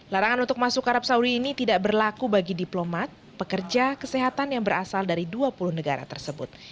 larangan untuk masuk arab saudi ini tidak berlaku bagi diplomat pekerja kesehatan yang berasal dari dua puluh negara tersebut